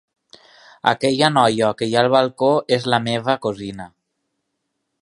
Aquella noia que hi ha al balcó és la meva cosina.